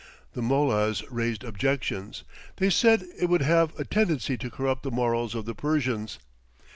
The mollahs raised objections; they said it would have a tendency to corrupt the morals of the Persians.